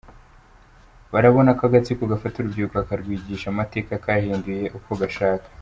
Barabona ko agatsiko gafata urubyiriko kakarwigisha amateka kahinduye uko gashaka.